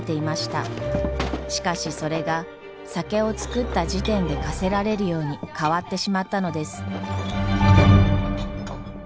しかしそれが酒を造った時点で課せられるように変わってしまったのです。